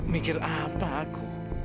mikir apa aku